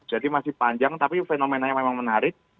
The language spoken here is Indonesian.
jadi masih panjang tapi fenomenanya memang menarik